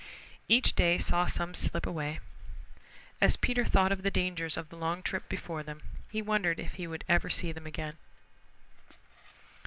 Each day saw some slip away. As Peter thought of the dangers of the long trip before them he wondered if he would ever see them again.